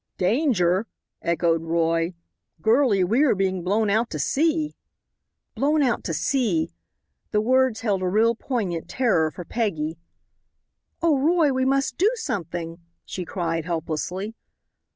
"Danger!" echoed Roy. "Girlie, we are being blown out to sea!" Blown out to sea! The words held a real poignant terror for Peggy. "Oh, Roy, we must do something!" she cried, helplessly.